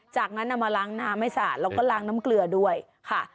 จากนั้นเอามาล้างน้ำให้สาดแล้วก็ล้างน้ำเกลือด้วยค่ะ